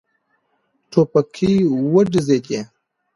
ټوپکې وډزېدې.